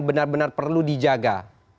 benar benar perlu dijaga